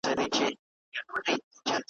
نور مي بېګانه له پلونو ښار دی بیا به نه وینو ,